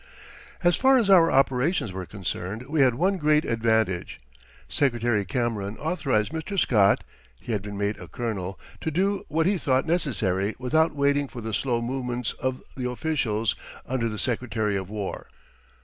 As far as our operations were concerned we had one great advantage. Secretary Cameron authorized Mr. Scott (he had been made a Colonel) to do what he thought necessary without waiting for the slow movements of the officials under the Secretary of War.